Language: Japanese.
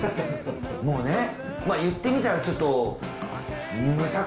もうね言ってみたらちょっと。